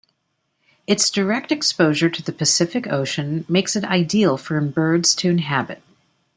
Its direct exposure to the Pacific Ocean makes it ideal for birds to inhabit.